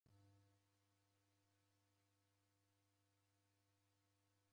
Oho wakuzera w'ada?